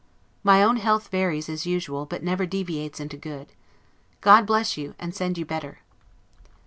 My own health varies, as usual, but never deviates into good. God bless you, and send you better!